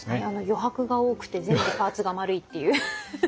余白が多くて全部パーツが丸いっていう。